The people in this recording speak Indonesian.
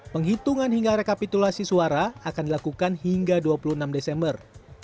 penghitungan hingga rekapitulasi suara akan dilakukan hingga dua puluh enam desember